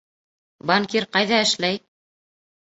Банкир ҡайҙа эшләй?